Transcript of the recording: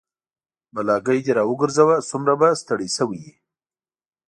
بلاګي د راوګرځه سومره به ستړى شوى وي